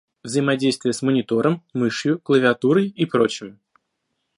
Взаимодействие с монитором, мышью, клавиатурой и прочим